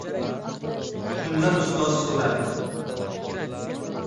Shunda ustoz soʻradi: